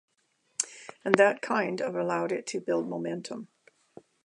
And that kind of allowed it to build momentum.